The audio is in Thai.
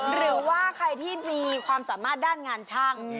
หรือว่าใครที่มีความสามารถด้านงานช่าง